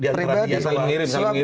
di antara dia saling ngirim